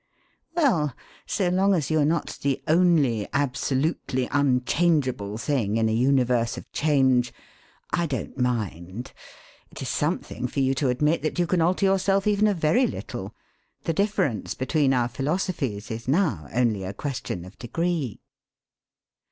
Well, so long as you are not the only absolutely unchangeable thing in a universe of change, I don't mind. It is something for you to admit that you can alter yourself even a very little. The difference between our philosophies is now only a question of degree.